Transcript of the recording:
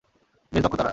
বেশ দক্ষ তারা।